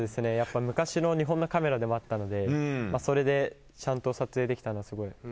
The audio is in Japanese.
昔の日本のカメラでもあったのでそれでちゃんと撮影できたのはすごい。